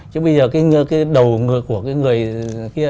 chứ bây giờ cái đầu của người kia